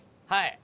はい！